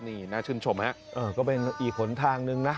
นี่น่าชื่นชมฮะก็เป็นอีกหนทางนึงนะ